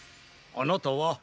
あなたは？